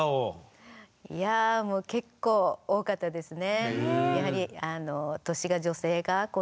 いや結構多かったですね。